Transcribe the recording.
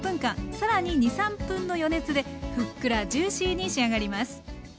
さらに２３分の余熱でふっくらジューシーに仕上がります。